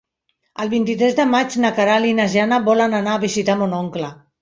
El vint-i-tres de maig na Queralt i na Jana volen anar a visitar mon oncle.